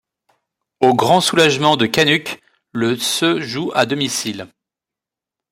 Au grand soulagement de Canucks, le se joue à domicile.